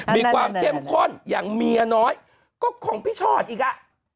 มีความเข้มข้นอย่างเมียน้อยก็ของพี่ชอตอีกอ่ะ